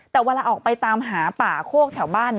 แต่เวลาออกไปตามหาป่าโคกแถวบ้าน